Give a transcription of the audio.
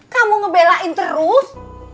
kamu ngebelain terus